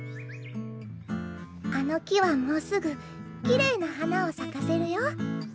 あの木はもうすぐきれいな花を咲かせるよ。